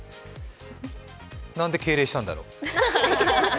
なんで敬礼したんだろ？